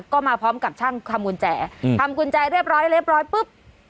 ก็มาพร้อมกับช่างทำกุญแจอืมทำกุญแจเรียบร้อยเรียบร้อยปุ๊บ